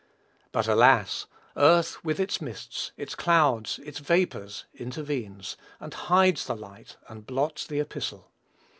But, alas! earth with its mists, its clouds, and its vapors, intervenes, and hides the light and blots the epistle.